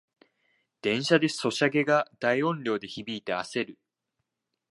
電車でソシャゲが大音量で響いてあせる